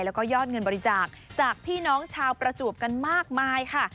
แล้วก็ยอดเงินบริจาคจากพี่น้องชาวประจวบกันมากมายค่ะ